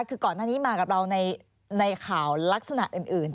คือก่อนหน้านี้มากับเราในข่าวลักษณะอื่น